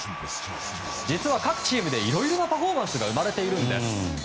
実は、各チームでいろいろなパフォーマンスが生まれているんです。